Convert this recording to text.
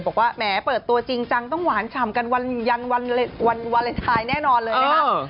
บอกว่าแหมเปิดตัวจริงจังต้องหวานฉ่ำกันวันวาเลนไทยแน่นอนเลยนะคะ